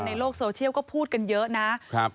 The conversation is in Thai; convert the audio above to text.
ในโลกโซเชียลพูดกันเยอะนะ